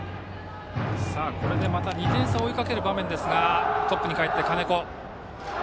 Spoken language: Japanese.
これでまた２点差を追いかける場面ですがトップにかえって金子。